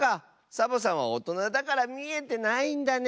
サボさんはおとなだからみえてないんだね。